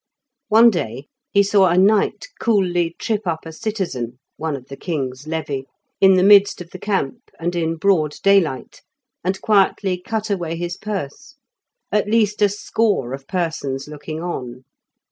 One day he saw a knight coolly trip up a citizen (one of the king's levy) in the midst of the camp and in broad daylight, and quietly cut away his purse, at least a score of persons looking on.